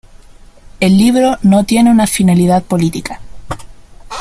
El libro no tiene una finalidad política".